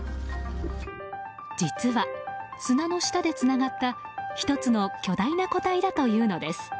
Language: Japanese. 実は砂の下でつながった１つの巨大な個体だというのです。